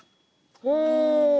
ほう。